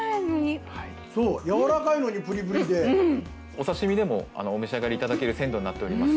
お刺身でもお召し上がりいただける鮮度になっております。